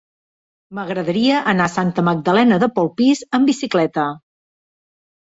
M'agradaria anar a Santa Magdalena de Polpís amb bicicleta.